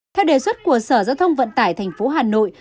theo đề xuất của sở giao thông vận tải tp hà nội